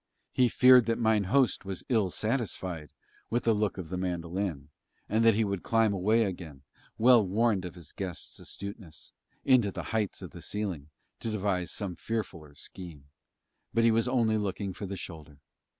He feared that mine host was ill satisfied with the look of the mandolin and that he would climb away again, well warned of his guest's astuteness, into the heights of the ceiling to devise some fearfuller scheme; but he was only looking for the shoulder.